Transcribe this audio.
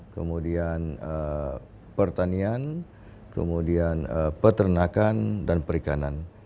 kemudian pertanian kemudian peternakan dan perikanan